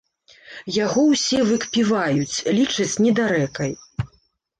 Яго ўсе выкпіваюць, лічаць недарэкай.